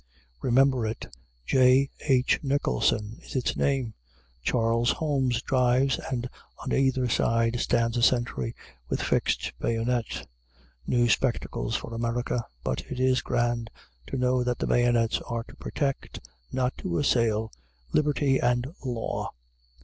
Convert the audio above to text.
Remember it! "J. H. Nicholson" is its name. Charles Holmes drives, and on either side stands a sentry with fixed bayonet. New spectacles for America! But it is grand to know that the bayonets are to protect, not to assail, Liberty and Law.